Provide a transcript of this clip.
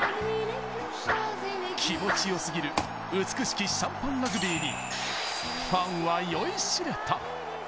気持ち良過ぎる、美しきシャンパンラグビーにファンは酔いしれた。